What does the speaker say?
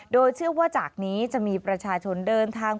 โดยเชื่อว่าจากนี้จะมีประชาชนเดินทาง